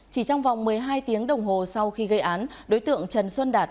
chỉ trong vòng một mươi hai tiếng đồng hồ sau khi gây án đối tượng trần xuân đạt